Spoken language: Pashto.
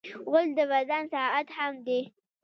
غول د بدن ساعت هم دی.